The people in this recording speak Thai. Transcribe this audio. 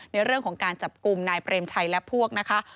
ในเรื่องของการจับกลุ่มนายเปรมชัยและพวกนะคะ